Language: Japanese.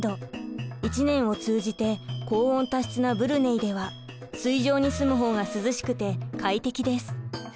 一年を通じて高温多湿なブルネイでは水上に住む方が涼しくて快適です。